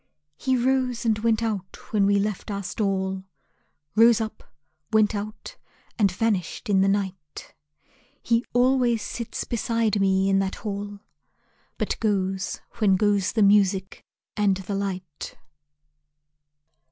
He rose and went out when we left our stall; Rose up, went out, and vanished in the night. He always sits beside me in that hall, But goes when goes the music and the light.